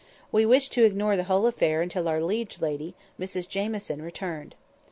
We wished to ignore the whole affair until our liege lady, Mrs Jamieson, returned.